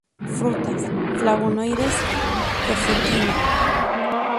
Frutas: flavonoides: quercetina.